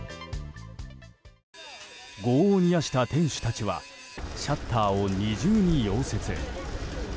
業を煮やした店主たちはシャッターを二重に溶接。